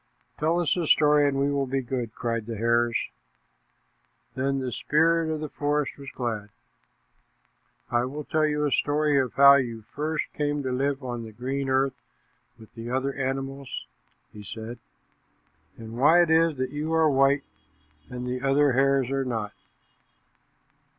"Tell us a story and we will be good," cried the hares. Then the spirit of the forest was glad. "I will tell you a story of how you first came to live on the green earth with the other animals," he said, "and why it is that you are white, and the other hares are not."